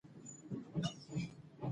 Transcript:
ډېر خلک مرګ ته د یوه بد شي په سترګه ګوري